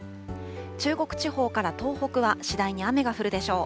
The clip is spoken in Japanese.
中国地方から東北は次第に雨が降るでしょう。